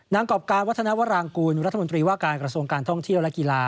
กรอบการวัฒนวรางกูลรัฐมนตรีว่าการกระทรวงการท่องเที่ยวและกีฬา